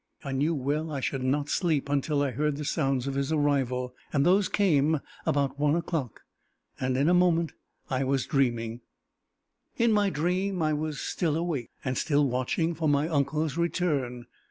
I knew well I should not sleep until I heard the sounds of his arrival: those came about one o'clock, and in a moment I was dreaming. In my dream I was still awake, and still watching for my uncle's return.